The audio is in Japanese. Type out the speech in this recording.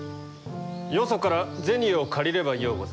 よそから銭を借りればようござる。